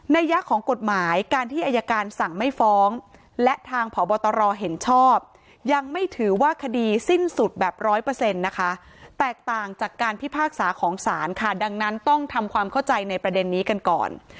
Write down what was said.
ยะของกฎหมายการที่อายการสั่งไม่ฟ้องและทางพบตรเห็นชอบยังไม่ถือว่าคดีสิ้นสุดแบบร้อยเปอร์เซ็นต์นะคะแตกต่างจากการพิพากษาของศาลค่ะดังนั้นต้องทำความเข้าใจในประเด็นนี้กันก่อน